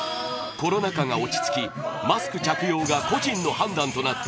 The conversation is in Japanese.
コロナ禍が落ち着きマスク着用が個人の判断となった